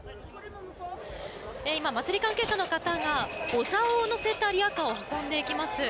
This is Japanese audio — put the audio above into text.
今、祭り関係者の方がゴザを載せたリヤカーを運んでいきます。